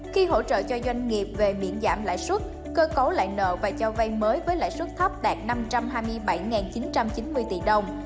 khi hỗ trợ cho doanh nghiệp về miễn giảm lãi suất cơ cấu lại nợ và cho vay mới với lãi suất thấp đạt năm trăm hai mươi bảy chín trăm chín mươi tỷ đồng